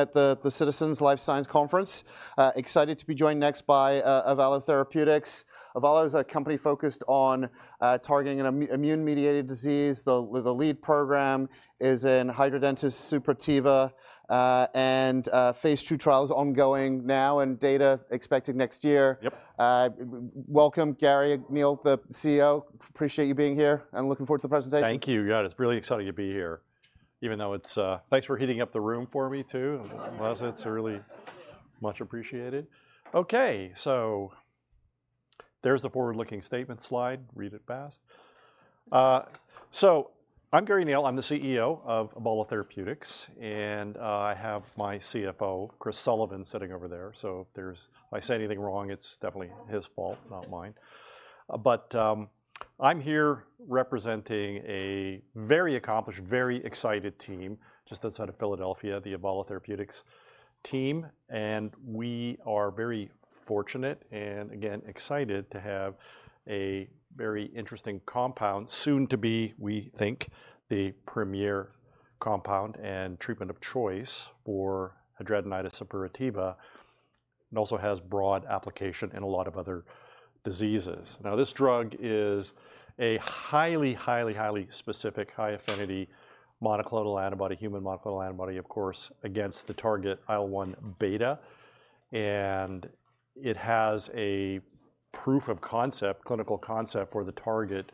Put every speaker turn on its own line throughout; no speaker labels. At the Citizens Life Science Conference. Excited to be joined next by Avalo Therapeutics. Avalo is a company focused on targeting immune-mediated disease. The lead program is in Hidradenitis Suppurativa, and phase two trial is ongoing now, and data expected next year.
Yep.
Welcome, Garry Neil, the CEO. Appreciate you being here and looking forward to the presentation.
Thank you. Yeah, it's really exciting to be here, even though it's... Thanks for heating up the room for me, too. It's really much appreciated. Okay, so there's the forward-looking statement slide. Read it fast. I'm Garry Neil. I'm the CEO of Avalo Therapeutics, and I have my CFO, Chris Sullivan, sitting over there. If I say anything wrong, it's definitely his fault, not mine. I'm here representing a very accomplished, very excited team just outside of Philadelphia, the Avalo Therapeutics team. We are very fortunate and, again, excited to have a very interesting compound soon to be, we think, the premier compound and treatment of choice for Hidradenitis Suppurativa, and also has broad application in a lot of other diseases. This drug is a highly, highly, highly specific, high affinity monoclonal antibody, human monoclonal antibody, of course, against the target IL-1 beta. It has a Proof of Concept, clinical concept for the target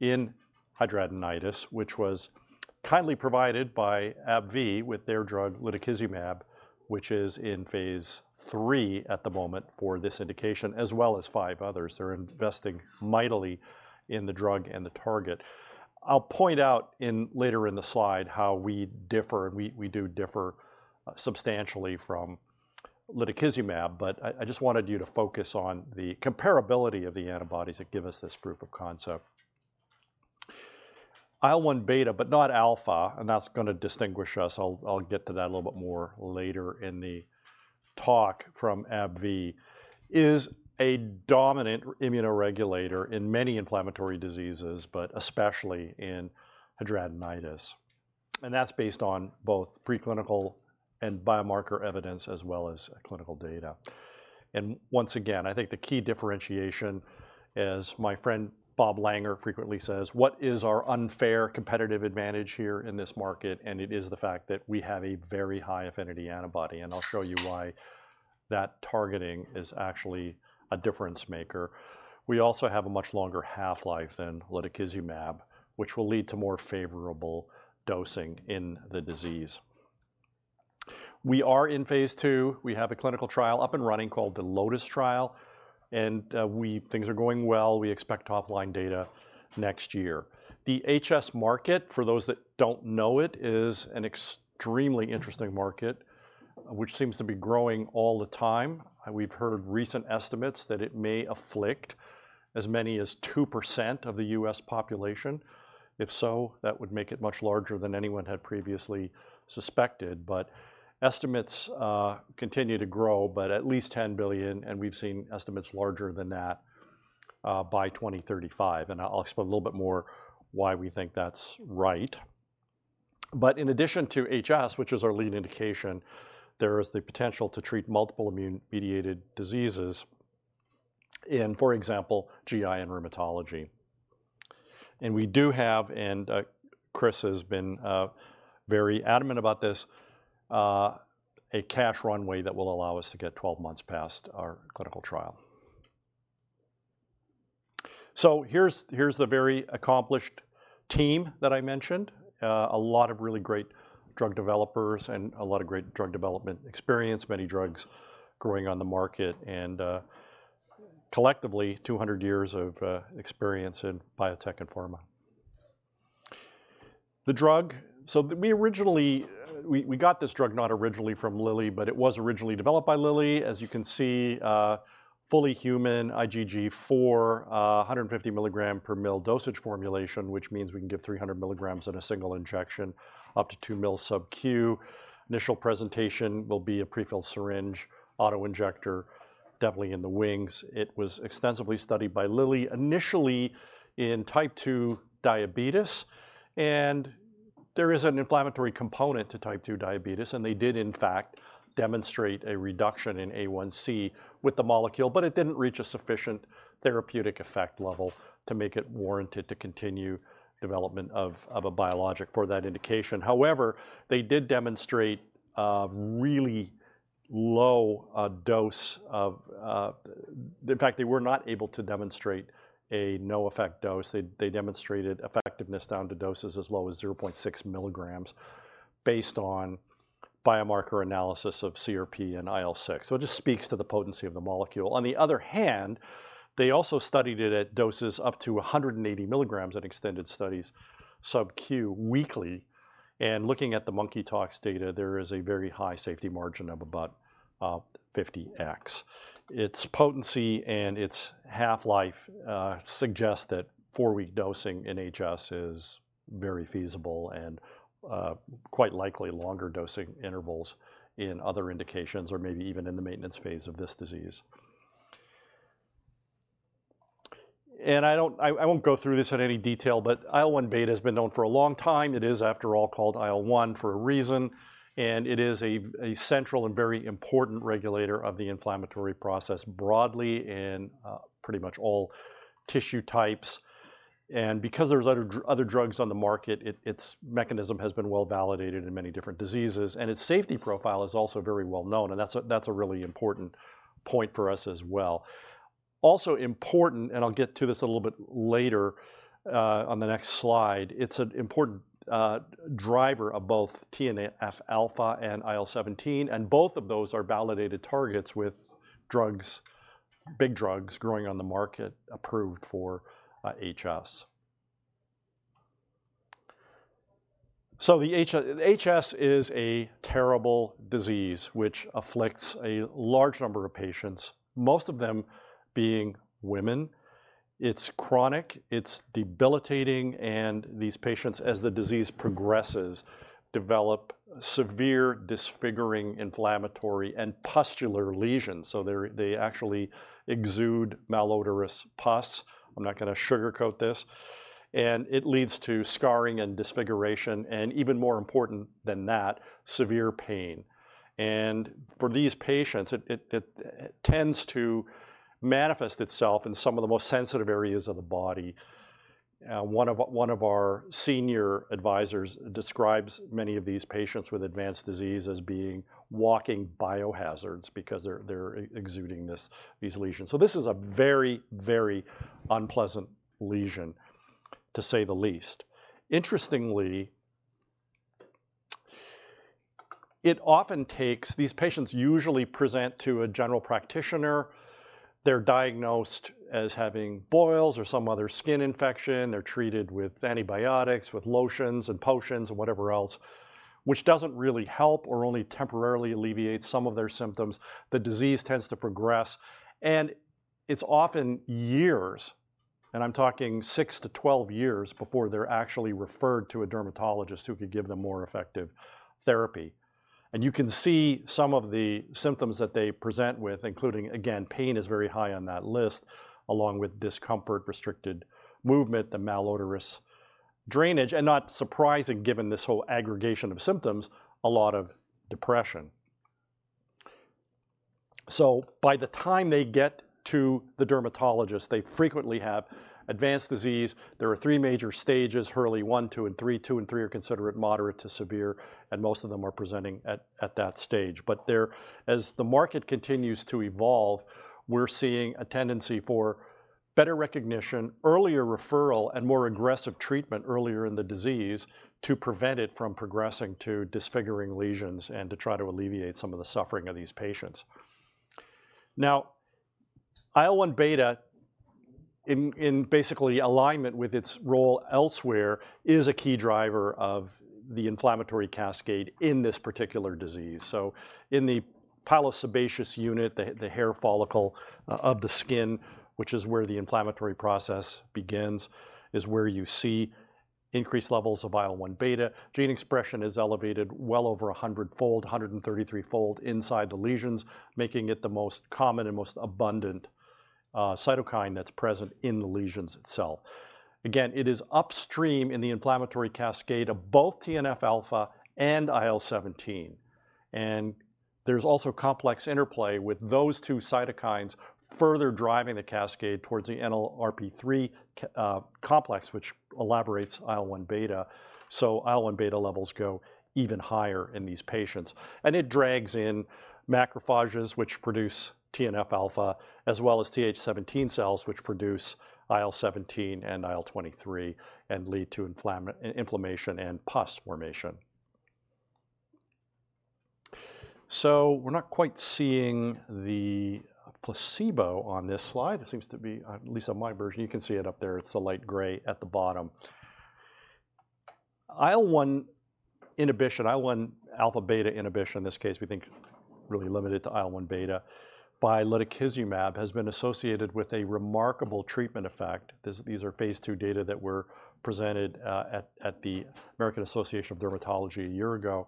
in Hidradenitis, which was kindly provided by AbbVie with their drug, Lutikizumab, which is in phase three at the moment for this indication, as well as five others. They're investing mightily in the drug and the target. I'll point out later in the slide how we differ, and we do differ substantially from Lutikizumab, but I just wanted you to focus on the comparability of the antibodies that give us this proof of concept. IL-1 beta, but not alpha, and that's going to distinguish us. I'll get to that a little bit more later in the talk from AbbVie, is a dominant immunoregulator in many inflammatory diseases, but especially in Hidradenitis. That's based on both preclinical and biomarker evidence, as well as clinical data. Once again, I think the key differentiation is, my friend Bob Langer frequently says, "What is our unfair competitive advantage here in this market?" It is the fact that we have a very high affinity antibody, and I'll show you why that targeting is actually a difference maker. We also have a much longer half-life than Lutikizumab, which will lead to more favorable dosing in the disease. We are in phase two. We have a clinical trial up and running called the LOTUS Trial, and things are going well. We expect top-line data next year. The HS market, for those that do not know it, is an extremely interesting market, which seems to be growing all the time. We have heard recent estimates that it may afflict as many as 2% of the US population. If so, that would make it much larger than anyone had previously suspected. Estimates continue to grow, but at least $10 billion, and we've seen estimates larger than that by 2035. I'll explain a little bit more why we think that's right. In addition to HS, which is our lead indication, there is the potential to treat multiple immune-mediated diseases in, for example, GI and Rheumatology. We do have, and Chris has been very adamant about this, a cash runway that will allow us to get 12 months past our clinical trial. Here's the very accomplished team that I mentioned, a lot of really great drug developers and a lot of great drug development experience, many drugs growing on the market, and collectively, 200 years of experience in biotech and pharma. The drug, so we originally, we got this drug not originally from Lilly, but it was originally developed by Lilly, as you can see, fully human IgG4, 150 milligram per mil dosage formulation, which means we can give 300 milligrams in a single injection up to 2 mil sub Q. Initial presentation will be a prefilled syringe, autoinjector, definitely in the wings. It was extensively studied by Lilly, initially in Type 2 Diabetes, and there is an inflammatory component to Type 2 Diabetes, and they did, in fact, demonstrate a reduction in A1C with the molecule, but it did not reach a sufficient therapeutic effect level to make it warranted to continue development of a biologic for that indication. However, they did demonstrate a really low dose of, in fact, they were not able to demonstrate a no effect dose. They demonstrated effectiveness down to doses as low as 0.6 milligrams based on biomarker analysis of CRP and IL-6. It just speaks to the potency of the molecule. On the other hand, they also studied it at doses up to 180 milligrams in extended studies sub Q weekly. Looking at the Monkey Tox data, there is a very high safety margin of about 50x. Its potency and its half-life suggest that four-week dosing in HS is very feasible and quite likely longer dosing intervals in other indications or maybe even in the maintenance phase of this disease. I will not go through this at any detail, but IL-1 beta has been known for a long time. It is, after all, called IL-1 for a reason, and it is a central and very important regulator of the inflammatory process broadly in pretty much all tissue types. Because there are other drugs on the market, its mechanism has been well validated in many different diseases, and its safety profile is also very well known, and that is a really important point for us as well. Also important, and I will get to this a little bit later on the next slide, it is an important driver of both TNF alpha and IL-17, and both of those are validated targets with drugs, big drugs growing on the market approved for HS. The HS is a terrible disease which afflicts a large number of patients, most of them being women. It is chronic, it is debilitating, and these patients, as the disease progresses, develop severe disfiguring inflammatory and pustular lesions. They actually exude malodorous pus. I am not going to sugarcoat this. It leads to scarring and disfiguration, and even more important than that, severe pain. For these patients, it tends to manifest itself in some of the most sensitive areas of the body. One of our senior advisors describes many of these patients with advanced disease as being walking biohazards because they're exuding these lesions. This is a very, very unpleasant lesion, to say the least. Interestingly, it often takes, these patients usually present to a general practitioner. They're diagnosed as having boils or some other skin infection. They're treated with antibiotics, with lotions and potions and whatever else, which doesn't really help or only temporarily alleviates some of their symptoms. The disease tends to progress, and it's often years, and I'm talking 6 years-12 years before they're actually referred to a dermatologist who could give them more effective therapy. You can see some of the symptoms that they present with, including, again, pain is very high on that list, along with discomfort, restricted movement, the malodorous drainage, and not surprising given this whole aggregation of symptoms, a lot of depression. By the time they get to the dermatologist, they frequently have advanced disease. There are three major stages, Hurley One, Two, and Three. Two and Three are considered moderate to severe, and most of them are presenting at that stage. As the market continues to evolve, we're seeing a tendency for better recognition, earlier referral, and more aggressive treatment earlier in the disease to prevent it from progressing to disfiguring lesions and to try to alleviate some of the suffering of these patients. Now, IL-1 beta, in basically alignment with its role elsewhere, is a key driver of the inflammatory cascade in this particular disease. In the Pilosebaceous unit, the hair follicle of the skin, which is where the inflammatory process begins, is where you see increased levels of IL-1 beta. Gene expression is elevated well over 100-fold, 133-fold inside the lesions, making it the most common and most abundant Cytokine that's present in the lesions itself. Again, it is upstream in the inflammatory cascade of both TNF alpha and IL-17. There's also complex interplay with those two cytokines further driving the cascade towards the NLRP3 complex, which elaborates IL-1 beta. IL-1 beta levels go even higher in these patients. It drags in macrophages, which produce TNF alpha, as well as TH17 cells, which produce IL-17 and IL-23 and lead to inflammation and pus formation. We're not quite seeing the placebo on this slide. It seems to be, at least on my version, you can see it up there. It's the light gray at the bottom. IL-1 inhibition, IL-1 alpha beta inhibition, in this case, we think really limited to IL-1 beta, by Lutikizumab has been associated with a remarkable treatment effect. These are phase two data that were presented at the American Association of Dermatology a year ago.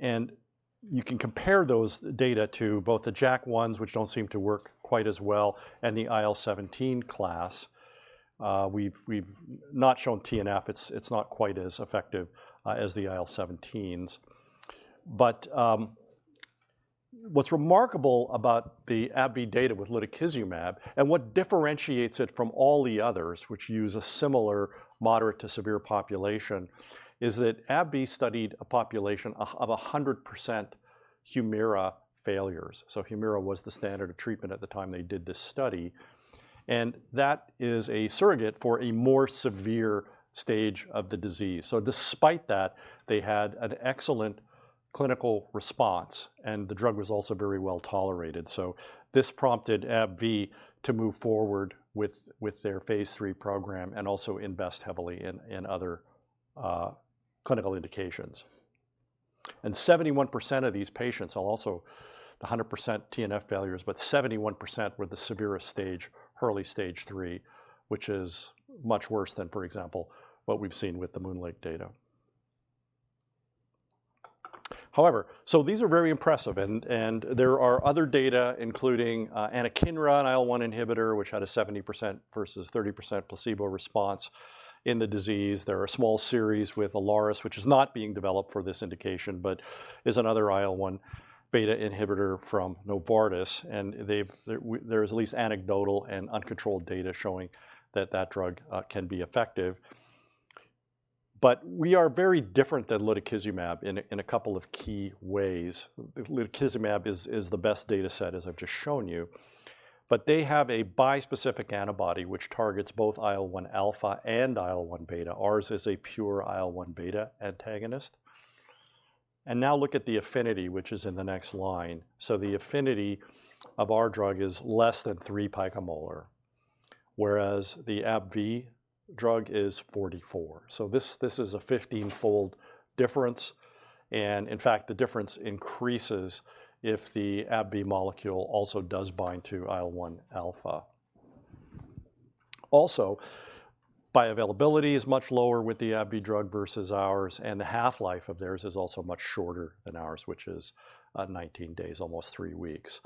You can compare those data to both the JAK1s, which don't seem to work quite as well, and the IL-17 class. We've not shown TNF. It's not quite as effective as the IL-17s. What's remarkable about the AbbVie data with Lutikizumab and what differentiates it from all the others, which use a similar moderate to severe population, is that AbbVie studied a population of 100% Humira failures. Humira was the standard of treatment at the time they did this study. That is a surrogate for a more severe stage of the disease. Despite that, they had an excellent clinical response, and the drug was also very well tolerated. This prompted AbbVie to move forward with their phase three program and also invest heavily in other clinical indications. 71% of these patients, also the 100% TNF failures, but 71% were the severest stage, Hurley Stage Three, which is much worse than, for example, what we've seen with the MoonLake data. These are very impressive. There are other data, including anakinra, an IL-1 inhibitor, which had a 70% versus 30% placebo response in the disease. There are a small series with Alaris, which is not being developed for this indication, but is another IL-1 beta inhibitor from Novartis. There is at least anecdotal and uncontrolled data showing that that drug can be effective. We are very different than Lutikizumab in a couple of key ways. Lutikizumab is the best data set, as I've just shown you, but they have a bispecific antibody which targets both IL-1 alpha and IL-1 beta. Ours is a pure IL-1 beta antagonist. Now look at the affinity, which is in the next line. The affinity of our drug is less than 3 picomolar, whereas the AbbVie drug is 44. This is a 15-fold difference. In fact, the difference increases if the AbbVie molecule also does bind to IL-1 alpha. Also, bioavailability is much lower with the AbbVie drug versus ours, and the half-life of theirs is also much shorter than ours, which is 19 days, almost three weeks.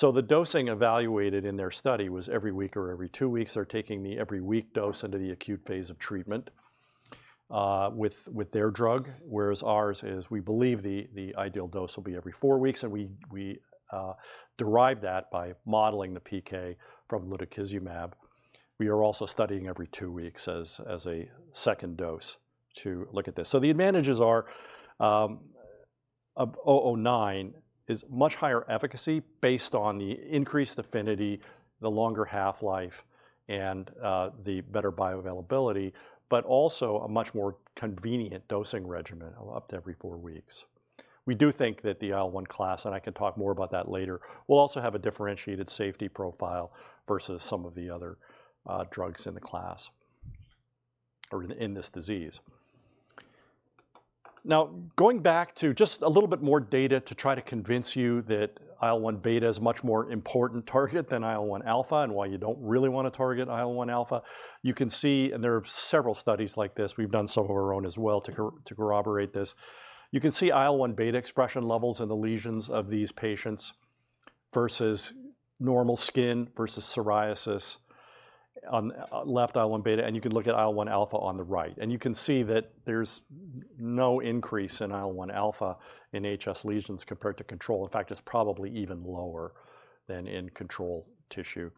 The dosing evaluated in their study was every week or every two weeks. They're taking the every week dose into the acute phase of treatment with their drug, whereas ours is, we believe the ideal dose will be every four weeks, and we derive that by modeling the PK from Lutikizumab. We are also studying every two weeks as a second dose to look at this. So the advantages are of 009 is much higher efficacy based on the increased affinity, the longer half-life, and the better bioavailability, but also a much more convenient dosing regimen of up to every four weeks. We do think that the IL-1 class, and I can talk more about that later, will also have a differentiated safety profile versus some of the other drugs in the class or in this disease. Now, going back to just a little bit more data to try to convince you that IL-1 beta is a much more important target than IL-1 alpha and why you don't really want to target IL-1 alpha, you can see, and there are several studies like this. We've done some of our own as well to corroborate this. You can see IL-1 beta expression levels in the lesions of these patients versus normal skin versus Psoriasis on left IL-1 beta, and you can look at IL-1 alpha on the right. You can see that there's no increase in IL-1 alpha in HS lesions compared to control. In fact, it's probably even lower than in control tissue.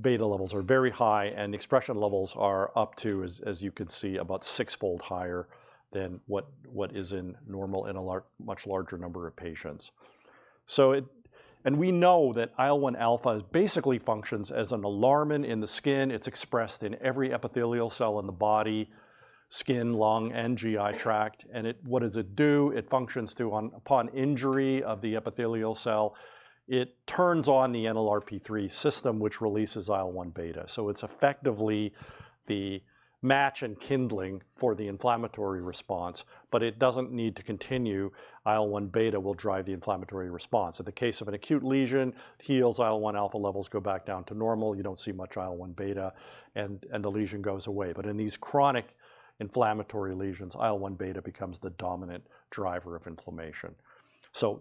Beta levels are very high, and expression levels are up to, as you can see, about six-fold higher than what is in normal in a much larger number of patients. We know that IL-1 alpha basically functions as an alarm in the skin. It's expressed in every epithelial cell in the body, skin, lung, and GI tract. What does it do? It functions to, upon injury of the epithelial cell, turn on the NLRP3 system, which releases IL-1 beta. It's effectively the match and kindling for the inflammatory response, but it doesn't need to continue. IL-1 beta will drive the inflammatory response. In the case of an acute lesion, heals, IL-1 alpha levels go back down to normal. You don't see much IL-1 beta, and the lesion goes away. In these chronic inflammatory lesions, IL-1 beta becomes the dominant driver of inflammation.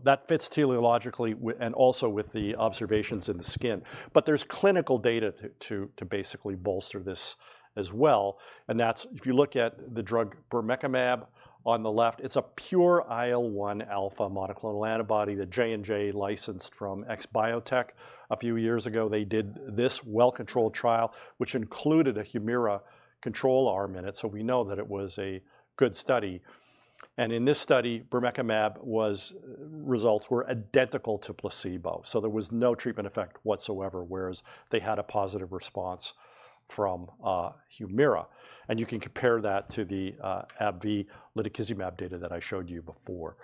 That fits teleologically and also with the observations in the skin. There's clinical data to basically bolster this as well. If you look at the drug bermekimab on the left, it's a pure IL-1 alpha monoclonal antibody, the J&J licensed from ExBiotech. A few years ago, they did this well-controlled trial, which included a Humira control arm in it. We know that it was a good study. In this study, permecamab results were identical to placebo. There was no treatment effect whatsoever, whereas they had a positive response from Humira. You can compare that to the AbbVie Lutikizumab data that I showed you before.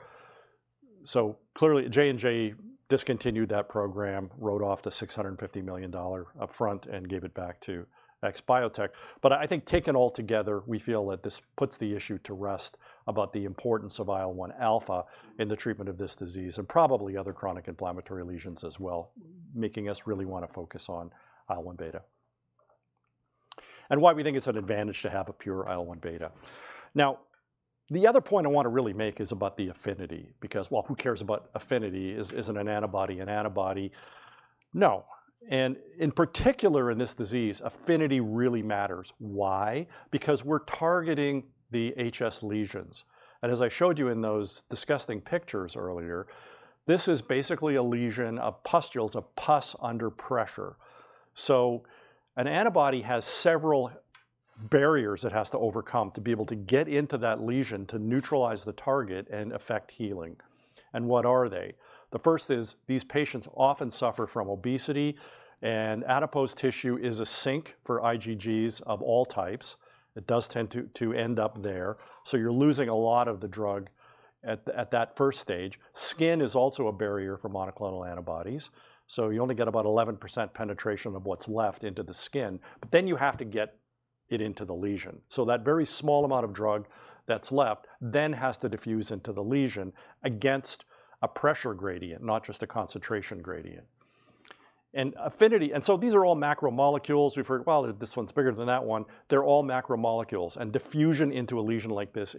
Clearly, J&J discontinued that program, wrote off the $650 million upfront, and gave it back to ExBiotech. I think taken all together, we feel that this puts the issue to rest about the importance of IL-1 alpha in the treatment of this disease and probably other chronic inflammatory lesions as well, making us really want to focus on IL-1 beta. Why we think it's an advantage to have a pure IL-1 beta. The other point I want to really make is about the affinity because, well, who cares about affinity? Isn't an antibody an antibody? No. In particular, in this disease, affinity really matters. Why? Because we're targeting the HS lesions. As I showed you in those disgusting pictures earlier, this is basically a lesion of pustules, a pus under pressure. An antibody has several barriers it has to overcome to be able to get into that lesion to neutralize the target and affect healing. What are they? The first is these patients often suffer from obesity, and adipose tissue is a sink for IgGs of all types. It does tend to end up there. You're losing a lot of the drug at that first stage. Skin is also a barrier for Monoclonal Antibodies. You only get about 11% penetration of what's left into the skin, but then you have to get it into the lesion. That very small amount of drug that's left then has to diffuse into the lesion against a pressure gradient, not just a concentration gradient. Affinity, and so these are all macromolecules. We've heard, well, this one's bigger than that one. They're all macromolecules, and diffusion into a lesion like this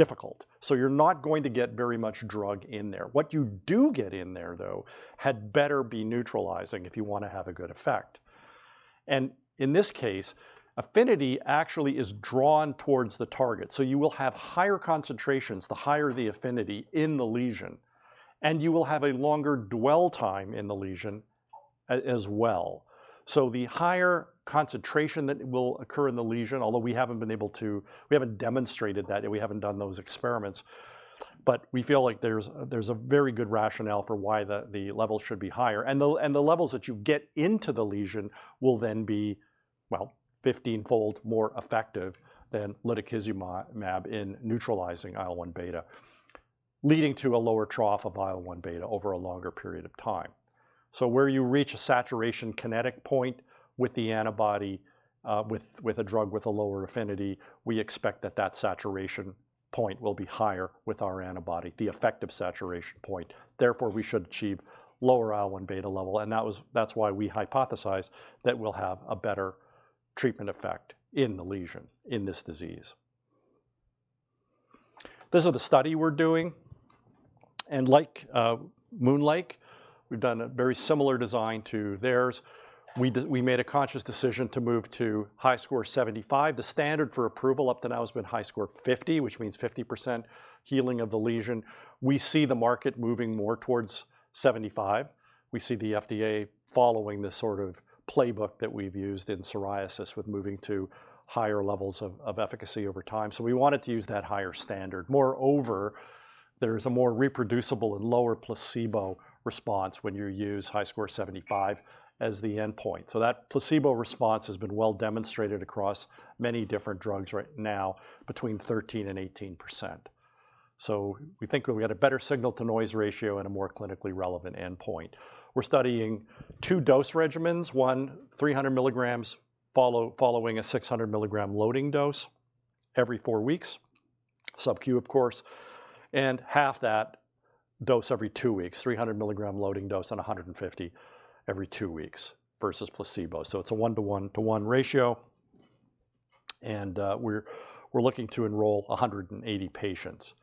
is difficult. You're not going to get very much drug in there. What you do get in there, though, had better be neutralizing if you want to have a good effect. In this case, affinity actually is drawn towards the target. You will have higher concentrations, the higher the affinity in the lesion, and you will have a longer dwell time in the lesion as well. The higher concentration that will occur in the lesion, although we have not been able to, we have not demonstrated that, and we have not done those experiments, but we feel like there is a very good rationale for why the levels should be higher. The levels that you get into the lesion will then be, well, 15-fold more effective than Lutikizumab in neutralizing IL-1 beta, leading to a lower trough of IL-1 beta over a longer period of time. Where you reach a Saturation Kinetic Point with the antibody, with a drug with a lower affinity, we expect that that saturation point will be higher with our antibody, the Effective Saturation Point. Therefore, we should achieve lower IL-1 beta level. That is why we hypothesize that we will have a better treatment effect in the lesion in this disease. This is the study we are doing. Like MoonLake, we have done a very similar design to theirs. We made a conscious decision to move to HiSCR 75. The standard for approval up to now has been HiSCR 50, which means 50% healing of the lesion. We see the market moving more towards 75. We see the FDA following this sort of playbook that we have used in Psoriasis with moving to higher levels of efficacy over time. We wanted to use that higher standard. Moreover, there's a more reproducible and lower placebo response when you use HiSCR 75 as the endpoint. That placebo response has been well demonstrated across many different drugs right now, between 13-18%. We think we had a better signal-to-noise ratio and a more clinically relevant endpoint. We're studying two dose regimens, one 300 mg following a 600 mg loading dose every four weeks, subQ, of course, and half that dose every two weeks, 300 mg loading dose and 150 mg every two weeks versus placebo. It's a one-to-one ratio. We're looking to enroll 180 patients.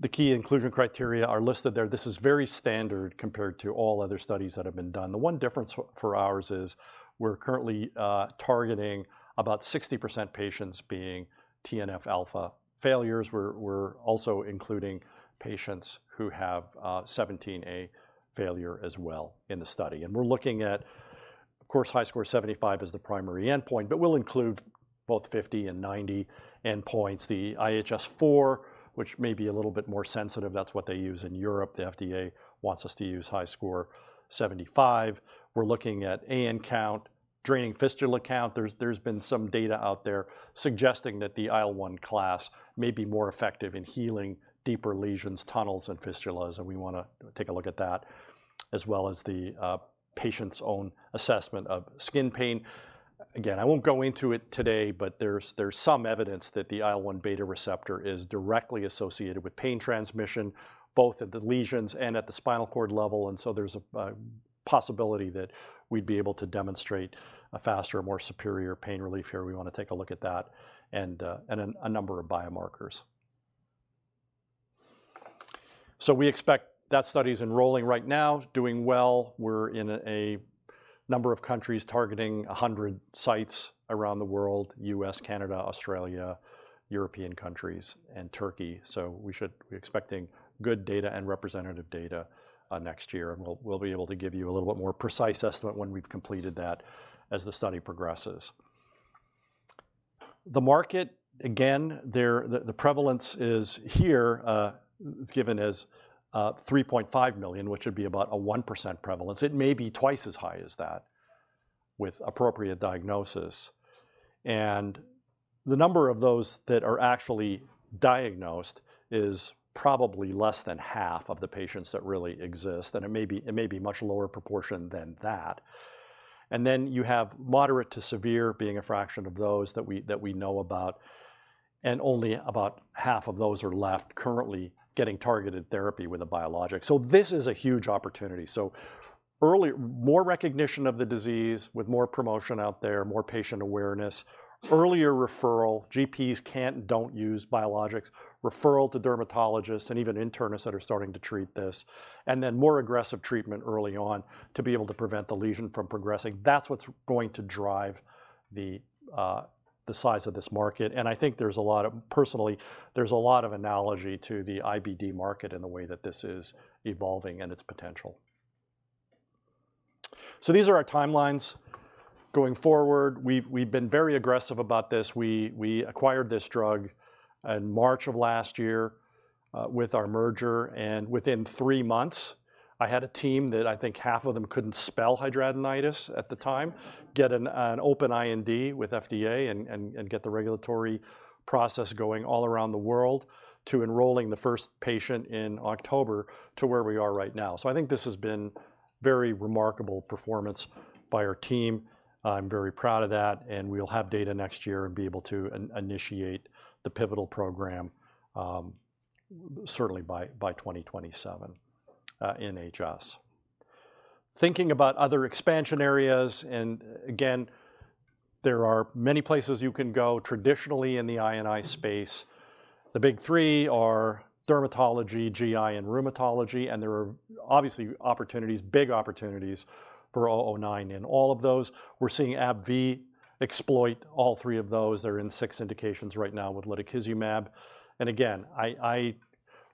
The key inclusion criteria are listed there. This is very standard compared to all other studies that have been done. The one difference for ours is we're currently targeting about 60% patients being TNF alpha failures. We're also including patients who have 17A failure as well in the study. We're looking at, of course, HiSCR 75 as the primary endpoint, but we'll include both 50 and 90 endpoints. The IHS4, which may be a little bit more sensitive, that's what they use in Europe. The FDA wants us to use HiSCR 75. We're looking at AN count, Draining Fistula count. There's been some data out there suggesting that the IL-1 class may be more effective in healing deeper lesions, tunnels, and fistulas, and we want to take a look at that, as well as the patient's own assessment of skin pain. Again, I won't go into it today, but there's some evidence that the IL-1 beta receptor is directly associated with pain transmission, both at the lesions and at the spinal cord level. There's a possibility that we'd be able to demonstrate a faster, more superior pain relief here. We want to take a look at that and a number of biomarkers. We expect that study is enrolling right now, doing well. We're in a number of countries targeting 100 sites around the world: U.S., Canada, Australia, European countries, and Turkey. We're expecting good data and representative data next year. We'll be able to give you a little bit more precise estimate when we've completed that as the study progresses. The market, again, the prevalence is here, it's given as 3.5 million, which would be about a 1% prevalence. It may be twice as high as that with appropriate diagnosis. The number of those that are actually diagnosed is probably less than half of the patients that really exist, and it may be a much lower proportion than that. You have moderate to severe being a fraction of those that we know about, and only about half of those are left currently getting targeted therapy with a biologic. This is a huge opportunity. More recognition of the disease with more promotion out there, more patient awareness, earlier referral, GPs cannot and do not use biologics, referral to dermatologists and even internists that are starting to treat this, and then more aggressive treatment early on to be able to prevent the lesion from progressing. That is what is going to drive the size of this market. I think there is a lot of, personally, there is a lot of analogy to the IBD market in the way that this is evolving and its potential. These are our timelines going forward. We have been very aggressive about this. We acquired this drug in March of last year with our merger, and within three months, I had a team that I think half of them couldn't spell Hidradenitis at the time, get an open IND with FDA, and get the regulatory process going all around the world to enrolling the first patient in October to where we are right now. I think this has been a very remarkable performance by our team. I'm very proud of that, and we'll have data next year and be able to initiate the pivotal program certainly by 2027 in HS. Thinking about other expansion areas, and again, there are many places you can go traditionally in the INI space. The big three are Dermatology, GI, and Rheumatology, and there are obviously opportunities, big opportunities for all 09 in all of those. We're seeing AbbVie exploit all three of those. They're in six indications right now with Lutikizumab. I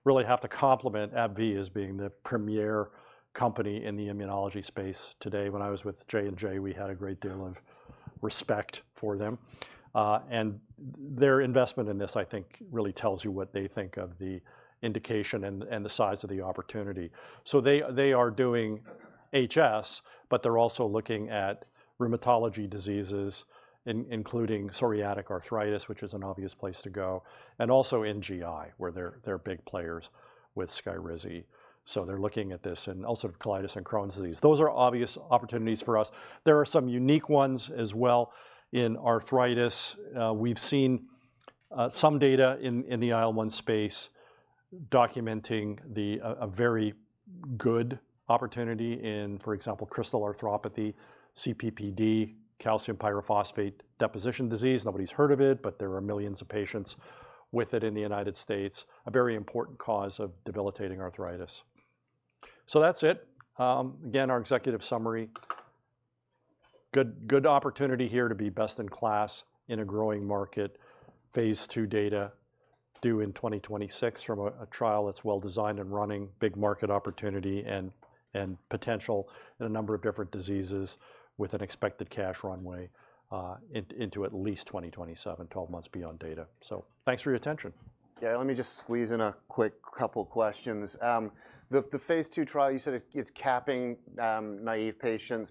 really have to compliment AbbVie as being the premier company in the Immunology space today. When I was with J&J, we had a great deal of respect for them. Their investment in this, I think, really tells you what they think of the indication and the size of the opportunity. They are doing HS, but they're also looking at rheumatology diseases, including Psoriatic Arthritis, which is an obvious place to go, and also in GI, where they're big players with Skyrizi. They're looking at this and also Colitis and Crohn's disease. Those are obvious opportunities for us. There are some unique ones as well in arthritis. We've seen some data in the IL-1 space documenting a very good opportunity in, for example, Crystal Arthropathy, CPPD, Calcium Pyrophosphate Deposition Disease. Nobody's heard of it, but there are millions of patients with it in the United States, a very important cause of debilitating arthritis. That's it. Again, our executive summary, good opportunity here to be best in class in a growing market, phase two data due in 2026 from a trial that's well designed and running, big market opportunity and potential in a number of different diseases with an expected cash runway into at least 2027, 12 months beyond data. Thanks for your attention.
Yeah, let me just squeeze in a quick couple of questions. The phase two trial, you said it's capping biologically naive patients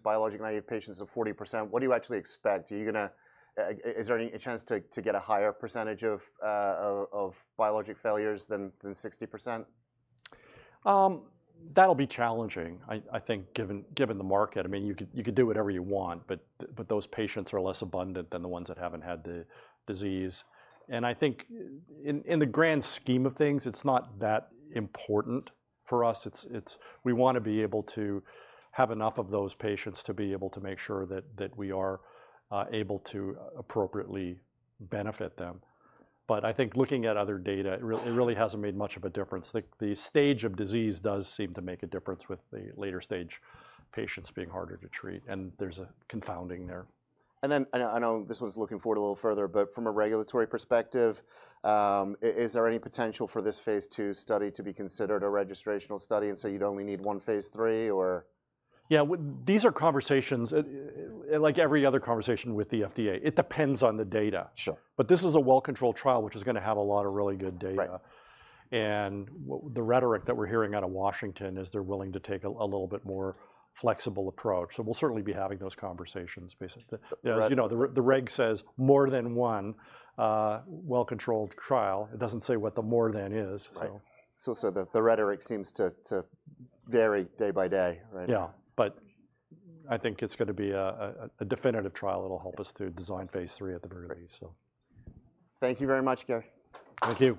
at 40%. What do you actually expect? Is there any chance to get a higher percentage of biologic failures than 60%?
That'll be challenging, I think, given the market. I mean, you could do whatever you want, but those patients are less abundant than the ones that haven't had the disease. I think in the grand scheme of things, it's not that important for us. We want to be able to have enough of those patients to be able to make sure that we are able to appropriately benefit them. I think looking at other data, it really hasn't made much of a difference. The stage of disease does seem to make a difference with the later stage patients being harder to treat, and there's a confounding there.
I know this one's looking forward a little further, but from a regulatory perspective, is there any potential for this phase two study to be considered a registrational study? You'd only need one phase three, or?
Yeah, these are conversations like every other conversation with the FDA. It depends on the data. This is a well-controlled trial, which is going to have a lot of really good data. The rhetoric that we're hearing out of Washington is they're willing to take a little bit more flexible approach. We'll certainly be having those conversations. The reg says more than one well-controlled trial. It does not say what the more than is.
The rhetoric seems to vary day by day, right?
Yeah, but I think it's going to be a definitive trial. It'll help us to design phase three at the very least.
Thank you very much, Garry.
Thank you.